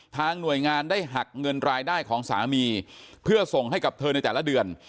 หน่วยงานได้หักเงินรายได้ของสามีเพื่อส่งให้กับเธอในแต่ละเดือน